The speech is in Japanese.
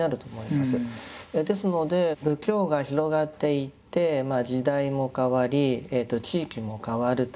ですので仏教が広がっていって時代も変わり地域も変わると。